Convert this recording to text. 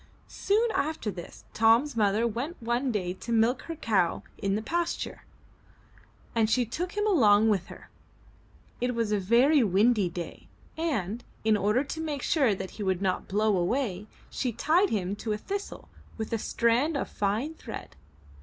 Soon after this, Tom's mother went one day to milk her cow in the pasture, and she took him along with her. It was a very windy day, and, in order to make sure that he should not blow away, she tied him to a thistle with a strand of fine thread.